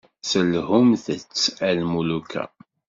Selhumt-t a lmuluka.